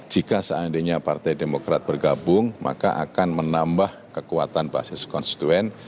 jika seandainya partai demokrat bergabung maka akan menambah kekuatan basis konstituen